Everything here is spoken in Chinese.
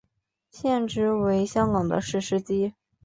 现职为香港的士司机。